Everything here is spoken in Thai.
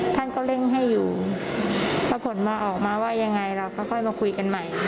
ท่านก็เร่งให้อยู่ถ้าผลมาออกมาว่ายังไงเราก็ค่อยมาคุยกันใหม่